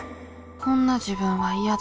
「こんな自分は嫌だ」。